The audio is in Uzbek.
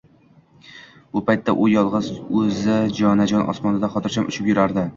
Bu payt u yolg‘iz o‘zi jonajon osmonida xotirjam uchib yurardi.